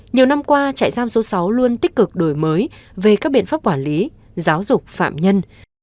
nhiều năm qua trại giam số sáu luôn tích cực đổi mới về các biện pháp quản lý giáo dục phạm nhân